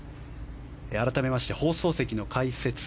改めまして、放送席の解説